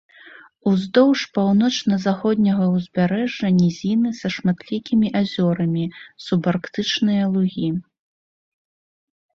Уздоўж паўночна-заходняга ўзбярэжжа нізіны са шматлікімі азёрамі, субарктычныя лугі.